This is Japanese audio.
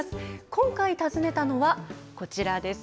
今回、訪ねたのはこちらです。